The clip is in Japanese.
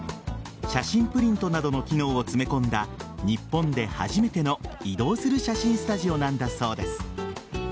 写真プリントなどの機能を詰め込んだ日本で初めての、移動する写真スタジオなんだそうです。